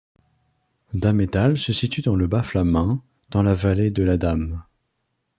Dahmetal se situe dans le Bas Flamain, dans la vallée de la Dahme.